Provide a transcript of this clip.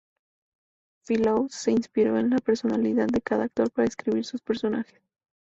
Fellows se inspiró en la personalidad de cada actor para escribir sus personajes.